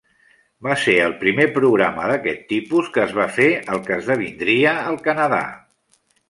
Va ser el primer programa d'aquest tipus que es va fer al que esdevindria el Canadà.